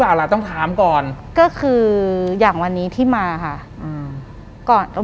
หลังจากนั้นเราไม่ได้คุยกันนะคะเดินเข้าบ้านอืม